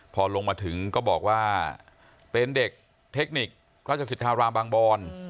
พอลงมาถึงก็บอกว่าเป็นเด็กเทคนิคราชสิทธารามบางบอน